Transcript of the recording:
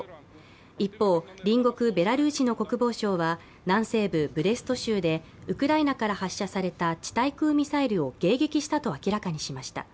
一方、隣国ベラルーシの国防省は南西部ブレスト州でウクライナから発射された地対空ミサイルを迎撃したと明らかにしました。